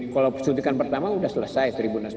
kalau disuntikan pertama sudah selesai satu enam ratus dua puluh